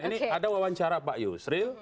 ini ada wawancara pak yusril